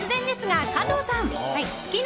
突然ですが、加藤さん！